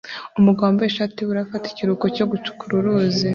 Umugabo wambaye ishati yubururu afata ikiruhuko cyo gucukura uruzi